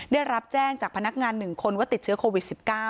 ได้รับแจ้งจากพนักงาน๑คนว่าติดเชื้อโควิด๑๙